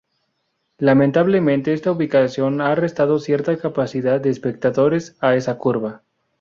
Lamentablemente esta ubicación ha restado cierta capacidad de espectadores a esa curva.